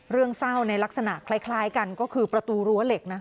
เรื่องเศร้าในลักษณะคล้ายกันก็คือประตูรั้วเหล็ก